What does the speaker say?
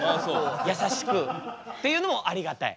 優しくっていうのもありがたい。